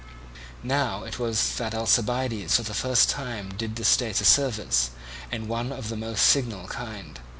Now it was that Alcibiades for the first time did the state a service, and one of the most signal kind.